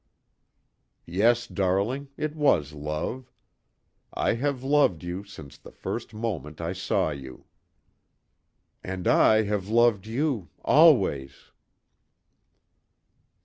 "Yes, darling, it was love. I have loved you since the first moment I saw you." "And I have loved you always!"